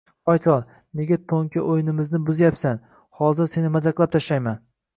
— Hoy chol, nega to’nka o’yinimni buzyapsan? Hozir seni majag’lab tashlayman!